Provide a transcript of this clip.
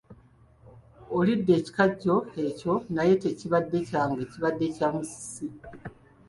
Olidde ekikajjo ekyo naye tekibadde kyange kibadde kya Musisi.